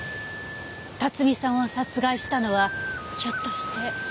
辰巳さんを殺害したのはひょっとして。